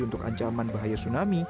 untuk ancaman bahaya tsunami